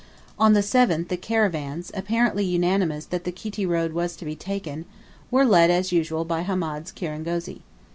On the 7th the caravans apparently unanimous that the Kiti road was to be taken were led as usual by Hamed's kirangozi.